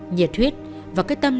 nhiệt huyết và cái tâm